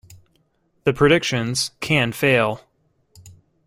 The predictions can fail.